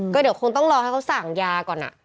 ก็เดี๋ยวคงต้องรอให้เขาสั่งยาก่อน